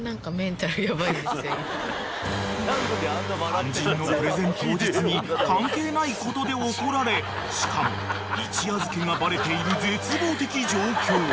［肝心のプレゼン当日に関係ないことで怒られしかも一夜漬けがバレている絶望的状況］